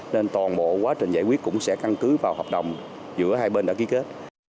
nên toàn bộ quá trình giải quyết cũng sẽ căn cứ vào hợp đồng giữa hai bên đã ký kết